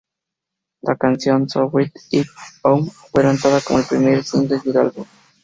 La canción "So Bring It On" fue lanzada como el primer single del álbum.